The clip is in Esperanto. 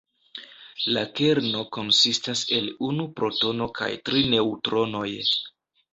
La kerno konsistas el unu protono kaj tri neŭtronoj.